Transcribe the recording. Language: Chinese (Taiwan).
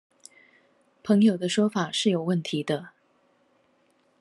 朋友的說法是有問題的